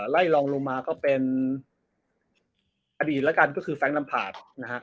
ไล่ลองลงมาก็เป็นอดีตก็คือแฟงต์นำผาด